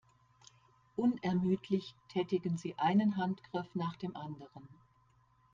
Unermüdlich tätigen sie einen Handgriff nach dem anderen.